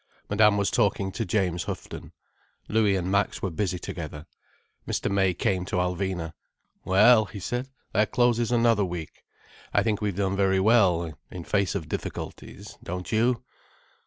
Madame was talking to James Houghton. Louis and Max were busy together. Mr. May came to Alvina. "Well," he said. "That closes another week. I think we've done very well, in face of difficulties, don't you?"